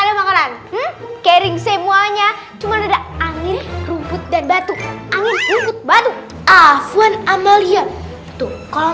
yah kering semuanya cuman ada angin rumput dan batuk anngun dadu afwan amalia tuh kalau